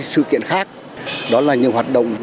sự kiện khác đó là những hoạt động